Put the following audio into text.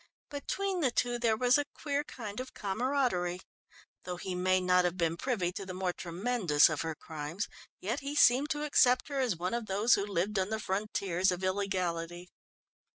Between the two there was a queer kind of camaraderie. Though he may not have been privy to the more tremendous of her crimes, yet he seemed to accept her as one of those who lived on the frontiers of illegality.